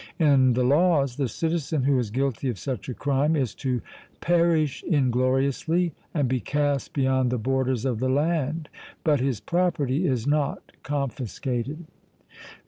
In the Laws the citizen who is guilty of such a crime is to 'perish ingloriously and be cast beyond the borders of the land,' but his property is not confiscated.